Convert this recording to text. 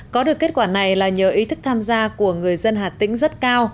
có được kết quả này là nhờ ý thức tham gia của người dân hà tĩnh rất cao